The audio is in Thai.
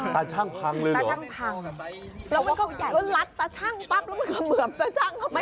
ช่างพังเลยตาชั่งพังแล้วมันก็ลัดตาชั่งปั๊บแล้วมันเขมือบตาชั่งเข้าไป